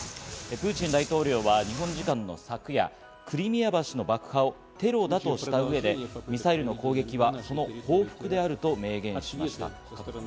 プーチン大統領は日本時間の昨夜、クリミア橋の爆破をテロだとした上でミサイルの攻撃はその報復であると明言しました。